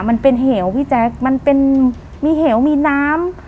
มันเป็นเหวพี่แจ๊คมันเป็นมีเหวมีน้ำ